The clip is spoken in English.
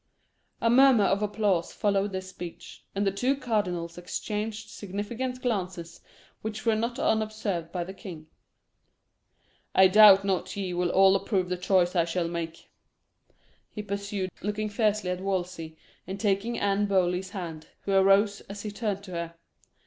A murmur of applause followed this speech, and the two cardinals exchanged significant glances, which were not unobserved by the king. "I doubt not ye will all approve the choice I shall make," he pursued, looking fiercely at Wolsey, and taking Anne Boleyn's hand, who arose as he turned to her.